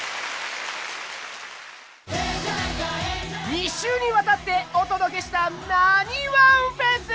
２週にわたってお届けした「なにわんＦＥＳ」。